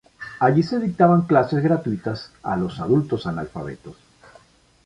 Allí se dictaban clases gratuitas a los adultos analfabetos.